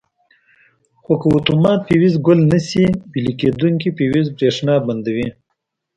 خو که اتومات فیوز ګل نه شي ویلې کېدونکي فیوز برېښنا بندوي.